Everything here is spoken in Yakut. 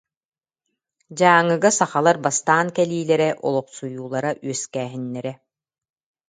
Дьааҥыга сахалар бастаан кэлиилэрэ, олохсуйуулара, үөскээһиннэрэ